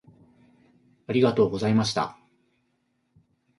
ありがとうございました。